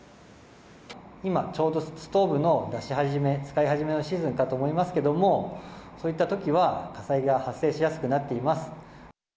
今、ちょうどストーブの出し始め、使い始めのシーズンかと思いますけれども、そういったときは火災が発生しやすくなっています。